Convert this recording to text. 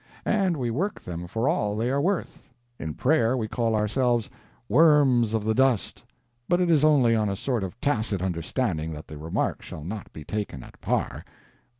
And we work them for all they are worth. In prayer we call ourselves "worms of the dust," but it is only on a sort of tacit understanding that the remark shall not be taken at par.